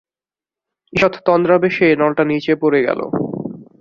ঈষৎ তন্দ্রাবেশে নলটা নীচে পড়ে গেল।